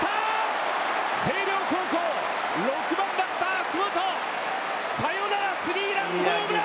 星稜高校６番バッター福本サヨナラスリーランホームラン！